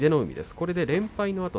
これで連敗のあと